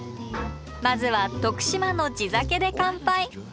まずは徳島の地酒で乾杯。